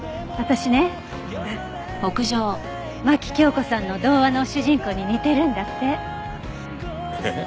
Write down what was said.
私ね牧京子さんの童話の主人公に似てるんだって。